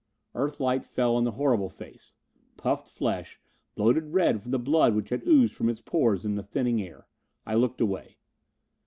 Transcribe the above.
Earth light fell on the horrible face. Puffed flesh, bloated red from the blood which had oozed from its pores in the thinning air. I looked away.